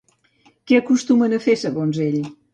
Què acostumen a fer, segons ell?